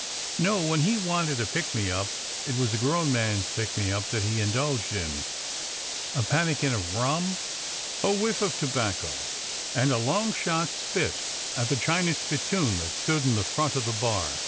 No, when he wanted a pick me up it was a grown man's pick me up that he indulged in — a pan nikin of rum, a whiff of tobacco, and a long shot spit at the china spittoon that stood in the front of the bar.